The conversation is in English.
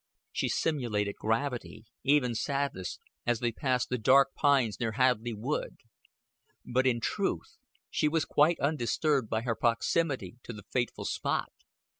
She simulated gravity, even sadness, as they passed the dark pines near Hadleigh Wood; but in truth she was quite undisturbed by her proximity to the fateful spot.